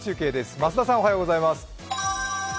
増田さん、おはようございます。